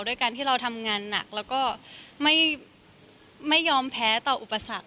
ด้วยการที่เราทำงานหนักแล้วก็ไม่ยอมแพ้ต่ออุปสรรค